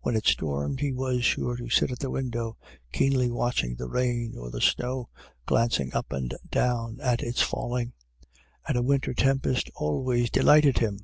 When it stormed, he was sure to sit at the window, keenly watching the rain or the snow, glancing up and down at its falling; and a winter tempest always delighted him.